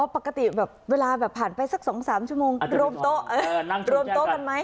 ปกติเวลาผ่านไปสัก๒๓ชั่วโมงรวมโต๊ะกันไหม